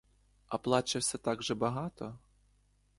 А плаче все так же багато?